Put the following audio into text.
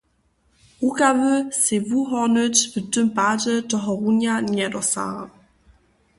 Rukawy sej wuhornyć w tym padźe tohorunja njedosaha.